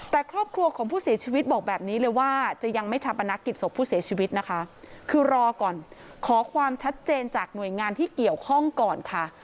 แต่ครอบครัวของผู้เสียชีวิตบอกแบบนี้เลยว่าจะยังไม่ชาปนักกิจศพผู้เสียชีวิตนะคะคือรอก่อนขอความชัดเจนจากหน่วยงานที่เกี่ยวข้องก่อนค่ะ